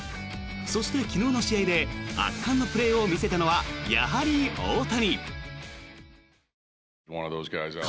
そして、昨日の試合で圧巻のプレーを見せたのはやはり大谷。